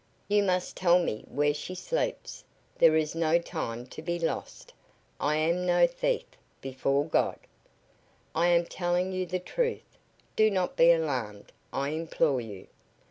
You must tell me where she sleeps. There is no time to be lost. I am no thief, before God! I am telling you the truth. Do not be alarmed, I implore you.